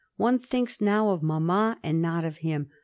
One thinks now of manlma, and not of him.